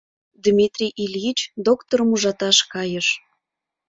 Дмитрий Ильич докторым ужаташ кайыш.